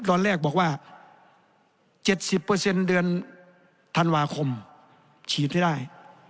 ตอนแรกบอกว่าเจ็ดสิบเปอร์เซ็นต์เดือนธันวาคมฉีดไม่ได้